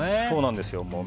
そうなんですよ。